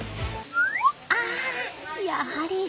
あやはり。